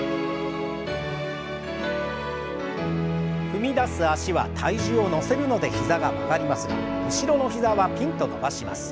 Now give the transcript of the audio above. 踏み出す脚は体重を乗せるので膝が曲がりますが後ろの膝はピンと伸ばします。